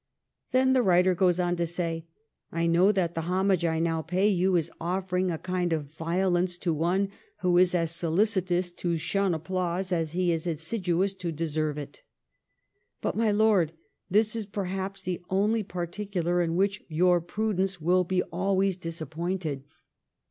Then the writer goes on to say, ' I know that the homage I now pay you, is offering a kind of violence to one who is as sohcitous to shun applause, as he is assiduous to deserve it. But, my lord, this is perhaps the only particular in which your prudence wiU be always disappointed.